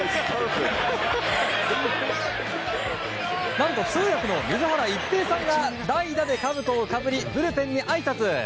何と通訳の水原一平さんが代打でかぶとをかぶりブルペンにあいさつ。